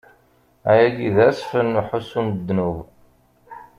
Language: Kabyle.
Ayagi d asfel n uḥussu n ddnub.